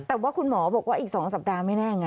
แต่ว่าคุณหมอบอกว่าอีก๒สัปดาห์ไม่แน่ไง